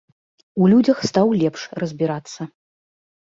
У людзях стаў лепш разбірацца.